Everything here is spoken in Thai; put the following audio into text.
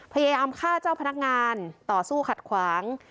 พยายามฆ่าเจ้าพนักงานต่อสู้ขัดขวาง